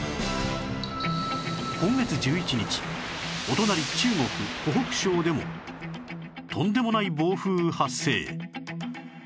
今月１１日お隣中国湖北省でもとんでもない暴風雨発生